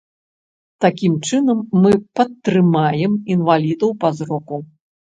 Такім чынам мы падтрымаем інвалідаў па зроку.